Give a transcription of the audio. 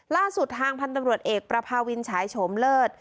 ล่าสุดทางพันธุ์ตำรวจเอกประพาวินฉายโฉมเลิศ